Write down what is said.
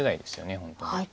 本当に。